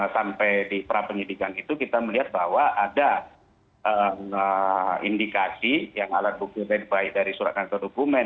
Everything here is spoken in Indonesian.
sampai di prapenyidikan itu kita melihat bahwa ada indikasi yang alat bukti baik dari surat kantor dokumen